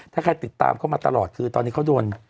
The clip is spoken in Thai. ถ้าใครติดตามเขามาตลอดคือตอนนี้เขาโดน